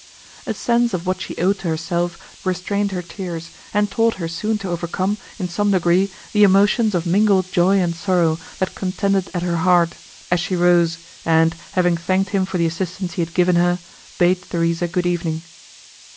A sense of what she owed to herself restrained her tears, and taught her soon to overcome, in some degree, the emotions of mingled joy and sorrow, that contended at her heart, as she rose, and, having thanked him for the assistance he had given her, bade Theresa good evening.